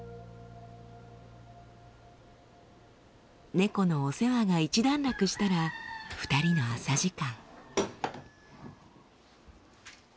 猫のお世話が一段落したら２人の朝時間。